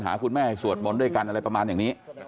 คุณแม่ให้สวดมนต์ด้วยกันอะไรประมาณอย่างนี้